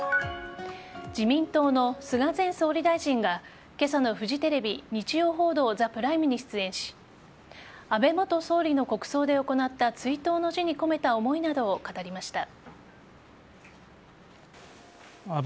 自民党の菅前総理大臣が今朝のフジテレビ「日曜報道ＴＨＥＰＲＩＭＥ」に出演し安倍元総理の国葬で行った追悼の辞に込めた思いなどを語りました。